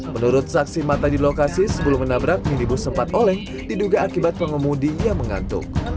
menurut saksi mata di lokasi sebelum menabrak minibus sempat oleng diduga akibat pengemudi yang mengantuk